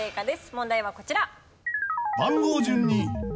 問題はこちら。